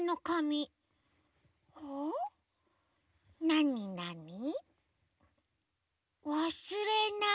なになに？